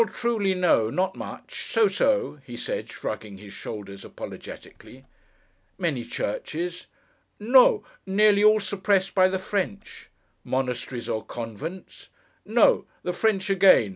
Truly, no. Not much! So, so,' he said, shrugging his shoulders apologetically. 'Many churches?' 'No. Nearly all suppressed by the French.' 'Monasteries or convents?' 'No. The French again!